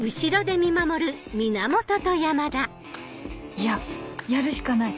いややるしかない